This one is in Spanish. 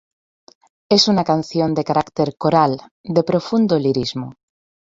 Es una canción de carácter coral, de profundo lirismo.